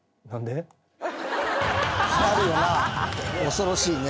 恐ろしいね。